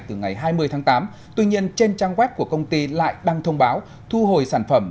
từ ngày hai mươi tháng tám tuy nhiên trên trang web của công ty lại đăng thông báo thu hồi sản phẩm